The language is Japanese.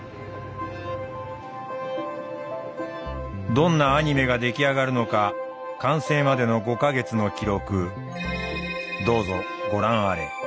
どんなアニメが出来上がるのか完成までの５か月の記録どうぞご覧あれ。